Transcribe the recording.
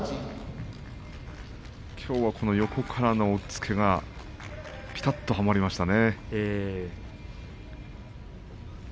きょうは横からの押っつけがぴたっとはまりましたね。